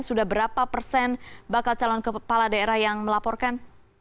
sudah berapa persen bakal calon kepala daerah yang melaporkan